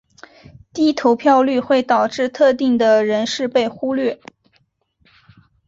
低投票率会导致特定的人士被忽略。